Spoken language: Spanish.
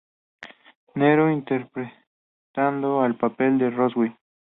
Nero" interpretando el papel de Roswell.